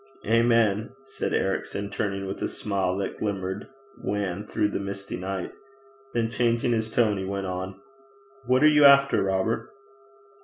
'Amen,' said Ericson, turning with a smile that glimmered wan through the misty night. Then changing his tone, he went on: 'What are you after, Robert?'